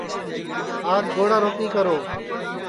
آج گوڑا روٹی کرو